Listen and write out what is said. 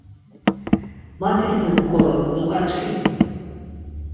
Mati sin k̆qorop loqaçkimi.